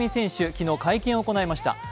昨日、会見を行いました。